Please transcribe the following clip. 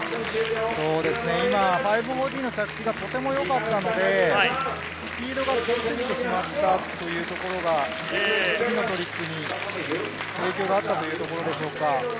今、５４０の着地がとてもよかったので、スピードが強すぎてしまったというところが次のトリックに影響があったというところでしょうか。